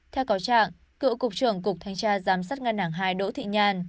theo cáo trạng cựu cục trưởng cục thanh tra giám sát ngân hàng hai đỗ thị nhàn